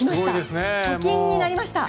貯金になりました。